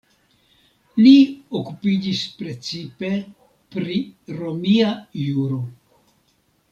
Li okupiĝis precipe pri romia juro.